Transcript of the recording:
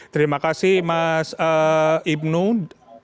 terima kasih mas ibnul